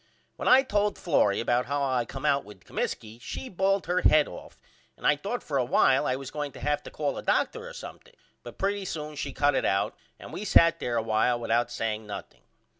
When I told Florrie about how I come out with Comiskey she bawled her head off and I thought for a while I was going to have to call a doctor or something but pretty soon she cut it out and we sat there a while without saying nothing.